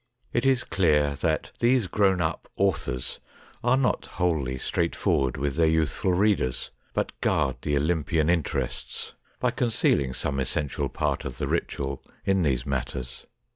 It is clear that these grown up authors are not wholly straightforward with their youth ful readers, but guard the Olympian interests by concealing some essential part of the ritual in these matters.